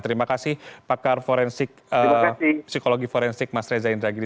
terima kasih pakar psikologi forensik mas reza indragiri